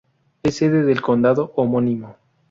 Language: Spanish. Es sede del condado homónimo.